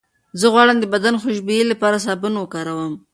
زه غواړم د بدن خوشبویۍ لپاره سابون وکاروم.